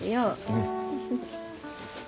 うん。